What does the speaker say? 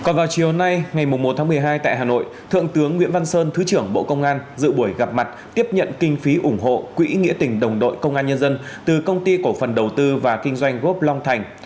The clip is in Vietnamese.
ngày một một mươi hai tại hà nội thượng tướng nguyễn văn sơn thứ trưởng bộ công an dự buổi gặp mặt tiếp nhận kinh phí ủng hộ quỹ nghĩa tình đồng đội công an nhân dân từ công ty cổ phần đầu tư và kinh doanh góp long thành